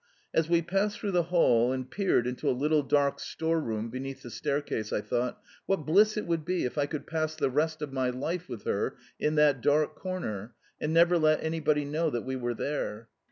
As we passed through the hall and peered into a little dark store room beneath the staircase I thought: "What bliss it would be if I could pass the rest of my life with her in that dark corner, and never let anybody know that we were there!"